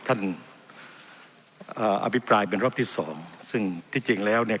เอ่ออภิปรายเป็นรอบที่สองซึ่งที่จริงแล้วเนี่ย